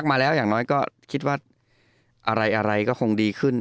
มาแล้วอย่างน้อยก็คิดว่าอะไรก็คงดีขึ้น